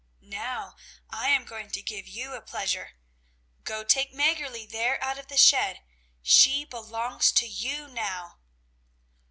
Now, I am going to give you a pleasure. Go take Mäggerli there out of the shed, she belongs to you now!"